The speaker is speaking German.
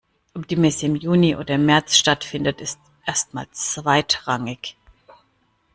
Ob die Messe im Juni oder im März stattfindet, ist erst mal zweitrangig.